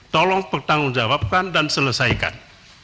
tolong bertanggung jawabkan dan selesaikan